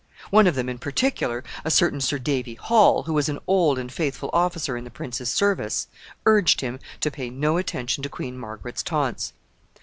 One of them in particular, a certain Sir Davy Hall, who was an old and faithful officer in the prince's service, urged him to pay no attention to Queen Margaret's taunts.